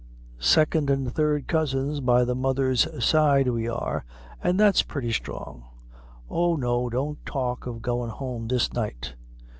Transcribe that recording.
Second an' third cousins by the mother's side we are, an' that's purty strong. Oh, no, don't talk of goin' home this night."